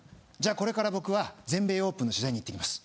これから僕は全米オープンの取材に行ってきます。